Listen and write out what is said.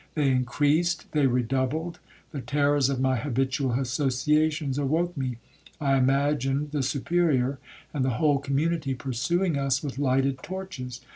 They increased, they redoubled,—the terrors of my habitual associations awoke me. I imagined the Superior and the whole community pursuing us with lighted torches.